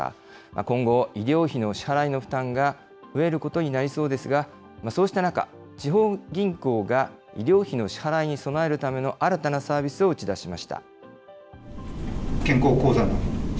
今後、医療費の支払いの負担が増えることになりそうですが、そうした中、地方銀行が医療費の支払いに備えるための新たなサービスを打ち出しました。